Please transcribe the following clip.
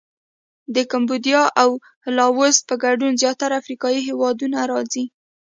د کمبودیا او لاووس په ګډون زیاتره افریقایي هېوادونه راځي.